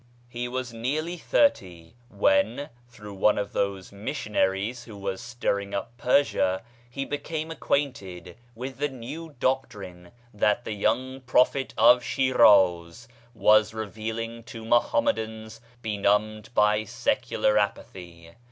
BAHA'U'LLAH 47 He was nearly thirty when, through one of those missionaries who was stirring up Persia, he became acquainted with the new doctrine that the young Prophet of Shlraz was revealing toMuhammadans benumbed by secular apathy.